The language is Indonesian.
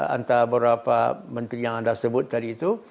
antara beberapa menteri yang anda sebut tadi itu